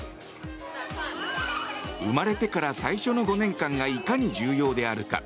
生まれてから最初の５年間がいかに重要であるか。